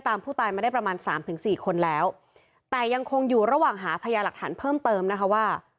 แต่ยังคงอยู่ระหว่างหาเทรยาหลักฐานเพิ่มเติมเนี้ยค่ะว่า